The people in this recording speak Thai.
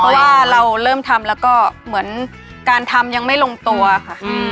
เพราะว่าเราเริ่มทำแล้วก็เหมือนการทำยังไม่ลงตัวค่ะ